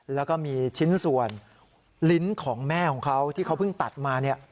แล้วก็มีชิ้นส่วนลิ้นของแม่ของเขาที่เขาเพิ่งตัดมาเนี่ย